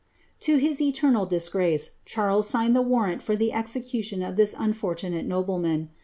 To his eternal disfrrace, Charles signed the warrant for the execntiM of this unfortunate nobleman.